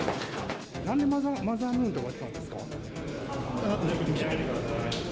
なんでマザームーンと言ったんですか。